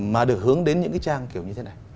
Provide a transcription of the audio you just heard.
mà được hướng đến những cái trang kiểu như thế này